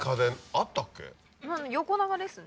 横長ですね。